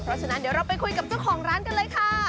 เพราะฉะนั้นเดี๋ยวเราไปคุยกับเจ้าของร้านกันเลยค่ะ